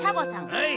はい！